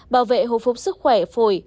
bảo vệ hồi phục sức khỏe phổi